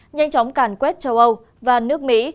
nhanh chóng cản quét châu âu và nước mỹ